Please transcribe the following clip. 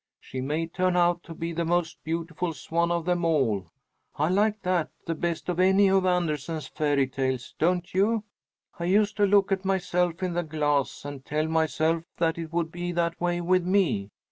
She may turn out to be the most beautiful swan of them all. I like that the best of any of Andersen's fairy tales. Don't you? I used to look at myself in the glass and tell myself that it would be that way with me.